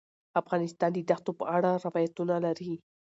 افغانستان د دښتو په اړه روایتونه لري.